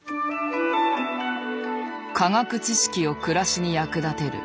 科学知識を暮らしに役立てる。